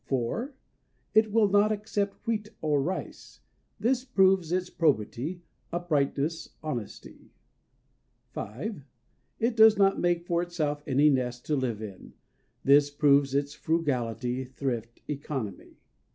"IV. It will not accept wheat or rice. This proves its probity, uprightness, honesty. "V. It does not make for itself any nest to live in. This proves its frugality, thrift, economy."